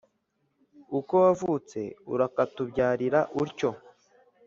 uko wavutse urakatubyarira utyo.